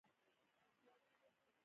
زه د فقر څخه بېرېږم، له بېغورۍ بېرېږم.